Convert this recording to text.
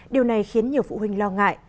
điều này khiến nhiều phụ huynh lo ngại